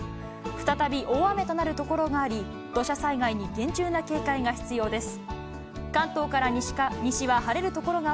再び大雨となる所があり、土砂災害に厳重な警戒が必要です。